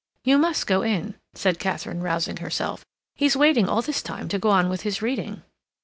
"You must go in," said Katharine, rousing herself. "He's waiting all this time to go on with his reading."